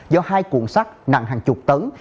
do hai cuộn xác nặng hàng chục tấn